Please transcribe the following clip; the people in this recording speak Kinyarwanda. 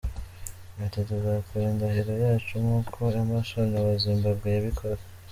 Ati “Tuzakora indahiro yacu nk’uko Emmerson wa Zimbabwe yabikoze.